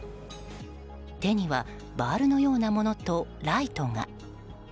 手にはバールのようなものとライトが。